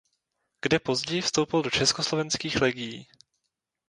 Kde později vstoupil do Československých legií.